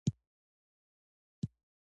آیا دا قانون د عدالت تامین نه کوي؟